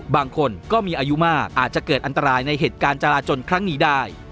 บางคนก็มีอายุมากอาจจะเกิดอันตรายในเหตุการณ์จราจนครั้งนี้ได้